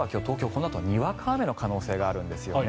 このあと、にわか雨の可能性があるんですよね。